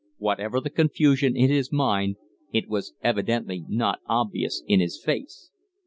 Whatever the confusion in his mind, it was evidently not obvious in his face.